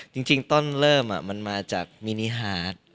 จริงต้นเริ่มมันมาจากมินิฮาร์ด